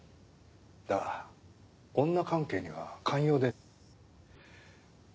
だから女関係には寛容でね。